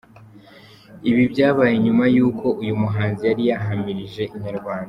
Ibi byabaye nyuma y’uko uyu muhanzi yari yahamirije Inyarwanda.